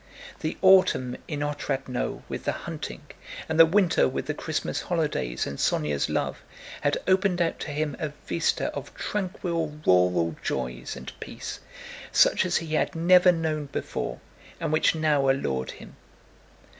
The autumn in Otrádnoe with the hunting, and the winter with the Christmas holidays and Sónya's love, had opened out to him a vista of tranquil rural joys and peace such as he had never known before, and which now allured him.